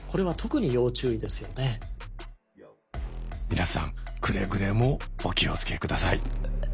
皆さんくれぐれもお気をつけください。